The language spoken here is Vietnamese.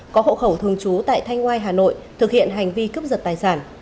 có hậu khẩu thường trú tại thanh ngoai hà nội thực hiện hành vi cướp giật tài sản